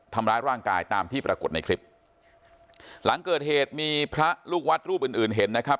ทำร้ายร่างกายตามที่ปรากฏในคลิปหลังเกิดเหตุมีพระลูกวัดรูปอื่นอื่นเห็นนะครับ